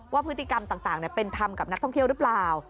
ว่าพฤติกรรมต่างเป็นธรรมกับนักท่องเที่ยวหรือเปล่า